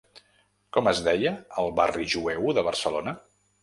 Com es deia el barri jueu de Barcelona?